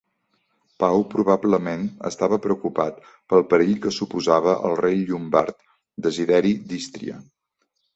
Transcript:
Pau probablement estava preocupat pel perill que suposava el rei llombard Desideri d'Ístria.